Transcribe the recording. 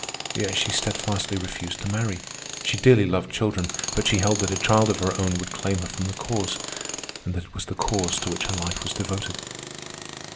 Yet she steadfastly refused to marry. She dearly loved children, but she held that a child of her own would claim her from the Cause, and that it was the Cause to which her life was devoted.